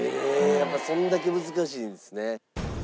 やっぱそんだけ難しいんですね。